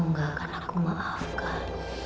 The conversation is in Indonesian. mungkin gak ada apa apa tamar jana